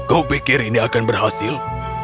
kau pikir ini akan berhasil